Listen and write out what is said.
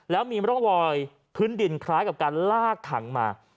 แล้วมีร่องรอยพื้นดินคล้ายกับการลากถังมา